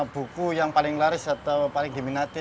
buku yang paling laris atau paling diminati